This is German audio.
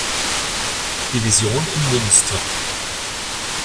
Division in Münster.